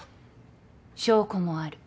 証拠もある。